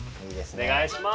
おねがいします。